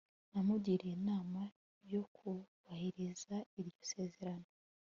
Namugiriye inama yo kubahiriza iryo sezerano